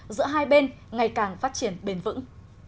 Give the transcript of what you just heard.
giữa hai bên ngày càng phát triển bền vững